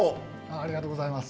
ありがとうございます。